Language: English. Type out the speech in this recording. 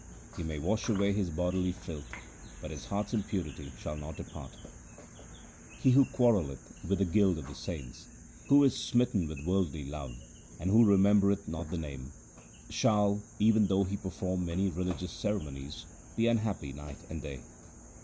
He may wash away his bodily filth, but his heart's impurity shall not depart. HYMNS OF GURU AMAR DAS 169 He who quarrelleth with the guild of the saints, Who is smitten with worldly love, and who remembereth not the Name, Shall, even though he perform many religious ceremonies, be unhappy night and day.